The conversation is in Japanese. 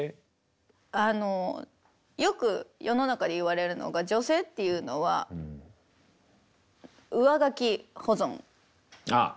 あのよく世の中で言われるのが女性っていうのは上書き保存って言うじゃないですか。